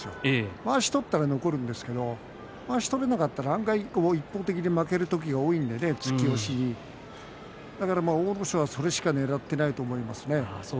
まわしを取ったら残るんですけどまわしを取れなかったら、案外一方的に負ける時が多いのでね突き押し、阿武咲はそれしかねらっていないと思いますね。